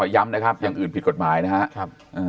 อย่างอื่นผิดกฎหมายนะฮะ